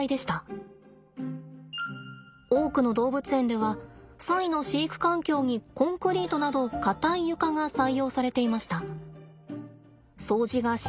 多くの動物園ではサイの飼育環境にコンクリートなど硬い床が採用されていました。